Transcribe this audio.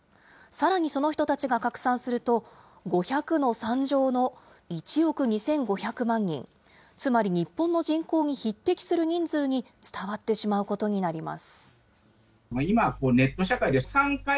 さらにその人たちが拡散すると、５００の３乗の１億２５００万人、つまり日本の人口に匹敵する人数に伝わってしまうことになります。